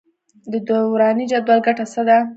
د دوراني جدول ګټه څه ده.